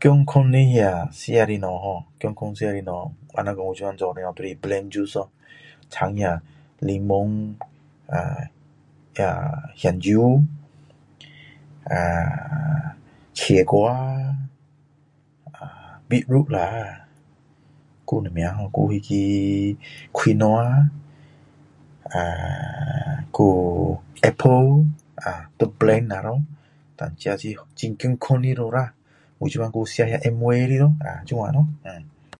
健康的那个吃的东西hor 健康吃的东西比如我现在吃的东西都是blend juice 咯掺那个柠檬那个香蕉那个黄瓜蜜还有什么还有那个青菜有apple 拿来blend 这就很健康了我现在还有吃amway 的咯这样咯